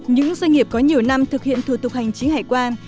những doanh nghiệp có nhiều năm thực hiện thủ tục hành chính hải quan